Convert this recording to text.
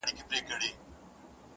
• زموږه دوو زړونه دي تل په خندا ونڅيږي،